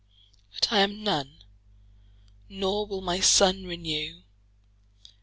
But I am None; nor will my Sunne renew.